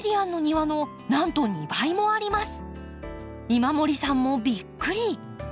今森さんもびっくり！